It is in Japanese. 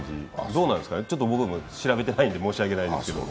どうなんですかね、僕も調べてないので申し訳ないですけど。